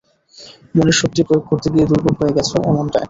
মনের শক্তি প্রয়োগ করতে গিয়ে দুর্বল হয়ে গেছ, এমন একটা ভাব।